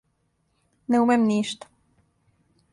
Не умем ништа.